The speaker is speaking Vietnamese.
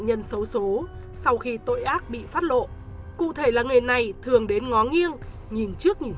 nhân xấu xố sau khi tội ác bị phát lộ cụ thể là nghề này thường đến ngó nghiêng nhìn trước nghìn